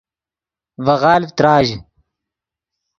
ڤے غالڤ تراژ